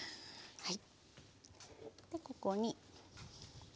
はい。